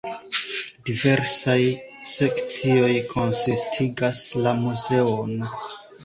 Diversaj sekcioj konsistigas la muzeon.